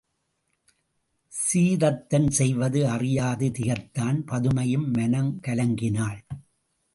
சீதத்தன் செய்வது அறியாது திகைத்தான் பதுமையும் மனம் கலங்கினாள்.